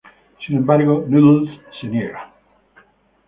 Sin embargo, Noodles se niega.